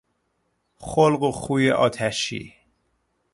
خلق و خوی آتشی